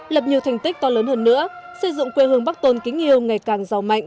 lập nhiều thành tích to lớn hơn nữa xây dựng quê hương bắc tôn kính yêu ngày càng giàu mạnh